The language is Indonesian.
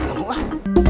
enggak mau lah